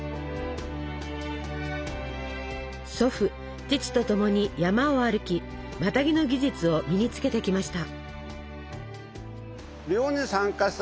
祖父父と共に山を歩きマタギの技術を身につけてきました。